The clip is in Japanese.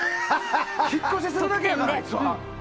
引っ越しするだけやからあいつは。